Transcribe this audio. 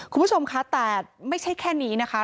คุณผู้ชมคะแต่ไม่ใช่แค่นี้นะคะ